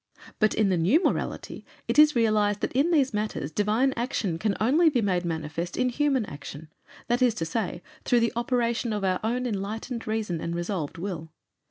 But in the new morality it is realized that in these matters Divine action can only be made manifest in human action, that is to say through the operation of our own enlightened reason and resolved will.